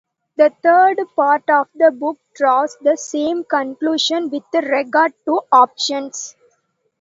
The third part of the book draws the same conclusion with regard to options.